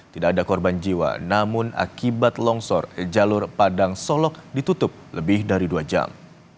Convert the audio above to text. tidak ada korban jiwa namun akibat longsor jalur padang solok ditutup lebih dari dua jam